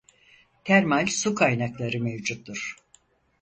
Termal su kaynakları mevcuttur.